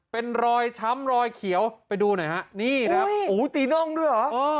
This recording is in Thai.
เป็นรอยช้ำรอยเขียวไปดูหน่อยฮะนี่ครับอุ้ยตีน่องด้วยเหรอ